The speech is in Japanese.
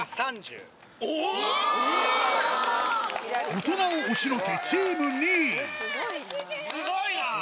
大人を押しのけチーム２位スゴいな！